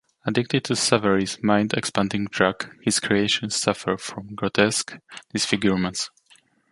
Addicted to Savary's mind-expanding drug, his creations suffer from grotesque disfigurements.